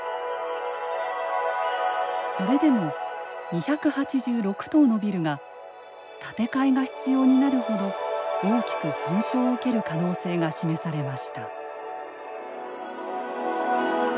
それでも２８６棟のビルが建て替えが必要になるほど大きく損傷を受ける可能性が示されました。